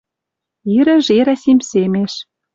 Ирӹ жерӓ симсемеш.